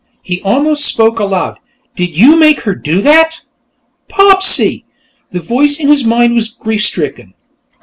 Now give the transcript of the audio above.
He almost spoke aloud. "Did you make her do that?" "Popsy!" The voice in his mind was grief stricken.